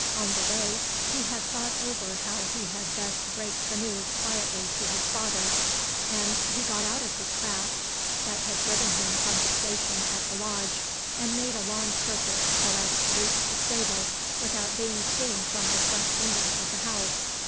On the way he had thought over how he had best break the news quietly to his father, and he got out of the trap that had driven him from the station at the lodge, and made a long circuit so as to reach the stable without being seen from the front windows of the house.